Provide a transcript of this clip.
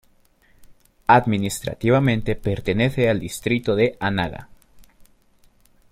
Administrativamente pertenece al Distrito de Anaga.